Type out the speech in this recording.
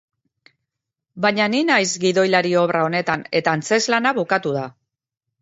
Baina ni naiz gidoilari obra honetan eta antzezlana bukatu da.